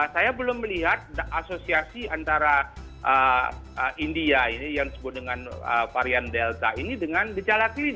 saya belum melihat asosiasi antara india ini yang disebut dengan varian delta ini dengan gejala klinis